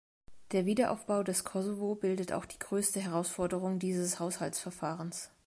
Der Wiederaufbau des Kosovo bildet auch die größte Herausforderung dieses Haushaltsverfahrens.